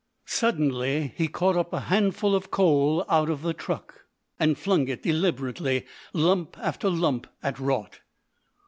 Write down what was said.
Suddenly he caught up a handful of coal out of the truck, and flung it deliberately, lump after lump, at Raut.